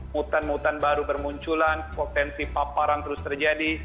mutan mutan baru bermunculan potensi paparan terus terjadi